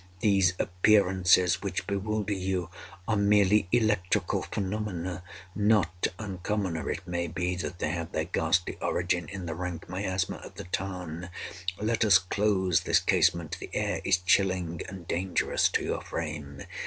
"These appearances, which bewilder you, are merely electrical phenomena not uncommon—or it may be that they have their ghastly origin in the rank miasma of the tarn. Let us close this casement;—the air is chilling and dangerous to your frame.